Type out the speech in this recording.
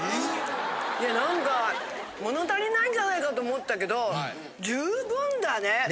いや何か物足りないんじゃないかと思ったけど十分だね。